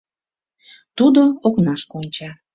Тудо окнашке онча.